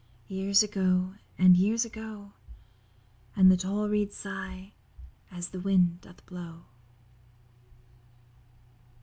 Years ago, and years ago; And the tall reeds sigh as the wind doth blow.